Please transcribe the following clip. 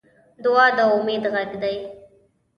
دعا د امید غږ دی.